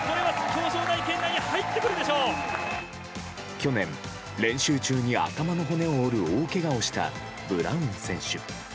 去年、練習中に頭の骨を折る大けがをしたブラウン選手。